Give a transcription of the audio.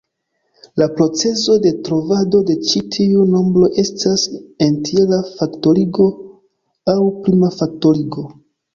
La procezo de trovado de ĉi tiuj nombroj estas entjera faktorigo, aŭ prima faktorigo.